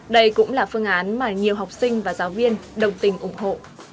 đây cũng là phương án mà nhiều học sinh và giáo viên đồng tình ủng hộ